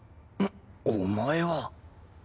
お前は。